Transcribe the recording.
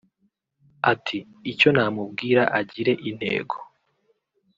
Ati "Icyo namubwira agire intego